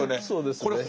そうですね。